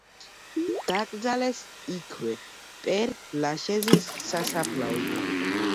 დაკრძალეს იქვე, პერ-ლაშეზის სასაფლაოზე.